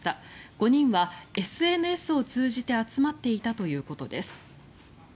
５人はＳＮＳを通じて集まっていたということです。